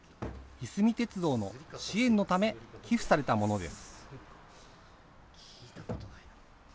いすみ鉄道の支援のため、寄付されたものです。